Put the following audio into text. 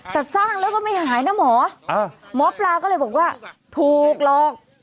แต่สร้างแล้วก็ไม่หายนะหมอหมอปลาก็เลยบอกว่าถูกหลอก